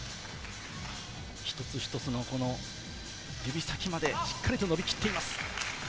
一つ一つの指先までしっかりと伸びきっています。